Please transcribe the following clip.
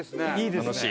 楽しい。